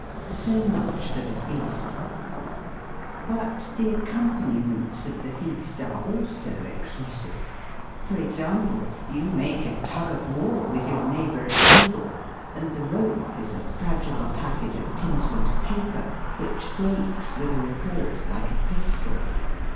So much for the feast !>): 9it 3|c 4: But the accompaniments of the feast are also excessive. For example, you make a tug of war with your neigh bour at table, and the rope is a fragile packet of tinselled paper, which breaks with a report like a pistol.